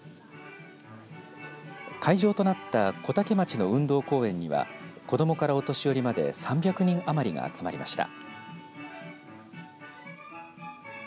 会場となった小竹町の運動公園には子どもからお年寄りまで３００人余りが集まりました。